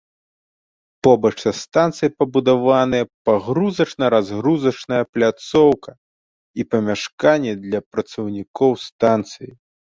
Побач са станцыяй пабудаваныя пагрузачна-разгрузная пляцоўка і памяшканні для працаўнікоў станцыі.